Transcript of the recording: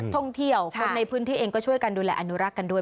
คนในพื้นที่เองก็ช่วยการดูแลอนุรักษ์กันด้วย